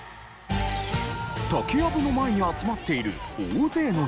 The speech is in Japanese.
竹やぶの前に集まっている大勢の人たち。